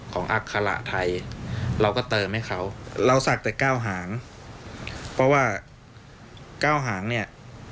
อัคระไทยเราก็เติมให้เขาเราสักแต่เก้าหางเพราะว่าเก้าหางเนี่ย